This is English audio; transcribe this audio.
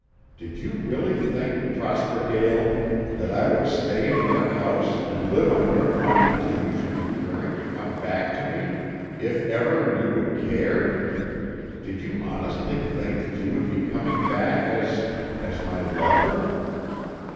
Did you really think, Prosper Gael, that I would stay in your house and live on your money till you should be caring to come back to me if ever you would care? Did you honestly think that you would be coming back as as my lover?